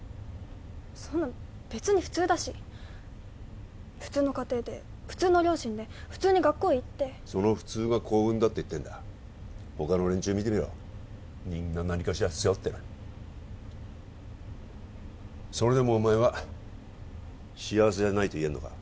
そんな別に普通だし普通の家庭で普通の両親で普通に学校行ってその普通が幸運だって言ってんだほかの連中見てみろみんな何かしら背負ってるそれでもお前は幸せじゃないと言えんのか？